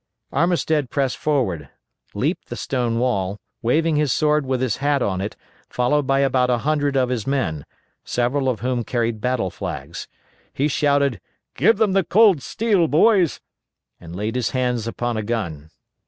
Armistead pressed forward, leaped the stone wall, waving his sword with his hat on it, followed by about a hundred of his men, several of whom carried battle flags. He shouted, "Give them the cold steel, boys!" and laid his hands upon a gun.